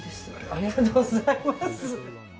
ありがとうございます。